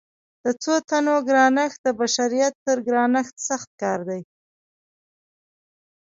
د څو تنو ګرانښت د بشریت تر ګرانښت سخت کار دی.